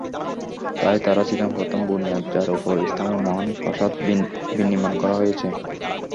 তাই তারা ছিলেন প্রথম বুনিয়াদ যার উপর ইসলামের মহান প্রাসাদ বিনির্মাণ করা হয়েছে।